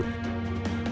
đồng viên phòng triền tương